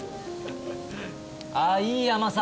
あいい甘さ。